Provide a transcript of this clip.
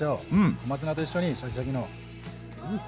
小松菜と一緒にシャキシャキの。